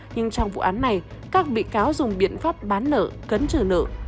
nhưng trong vụ án này các bị cáo dùng biện pháp bán nợ cấn trừ nợ